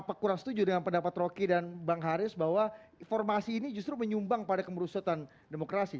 saya kurang setuju dengan pendapat rocky dan bang haris bahwa formasi ini justru menyumbang pada kemerusotan demokrasi